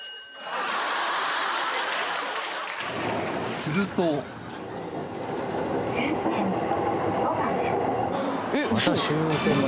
するとえっウソ！